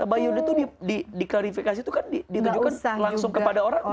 bayun itu diklarifikasi itu kan ditujukan langsung kepada orang